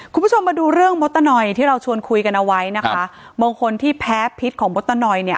คุณผู้ชมมาดูเรื่องมดตะนอยที่เราชวนคุยกันเอาไว้นะคะมงคลที่แพ้พิษของมดตะนอยเนี่ย